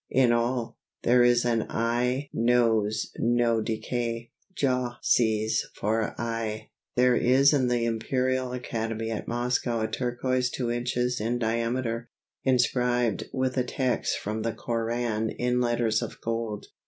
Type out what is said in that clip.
In all, there is an eye know's no decay. Jah sees for aye. There is in the Imperial Academy at Moscow a turquoise two inches in diameter, inscribed with a text from the Koran in letters of gold.